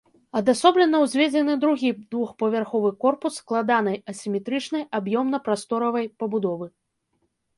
Адасоблена ўзведзены другі двухпавярховы корпус складанай асіметрычнай аб'ёмна-прасторавай пабудовы.